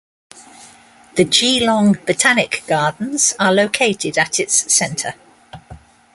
The Geelong Botanic Gardens are located at its centre.